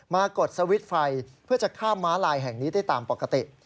กดสวิตช์ไฟเพื่อจะข้ามม้าลายแห่งนี้ได้ตามปกติ